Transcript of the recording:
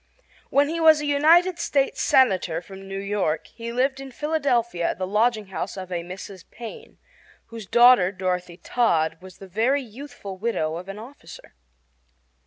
When he was United States Senator from New York he lived in Philadelphia at the lodging house of a Mrs. Payne, whose daughter, Dorothy Todd, was the very youthful widow of an officer.